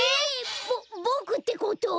ボボクってこと？